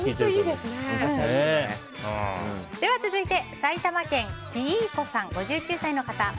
では続いて埼玉県の５９歳の方。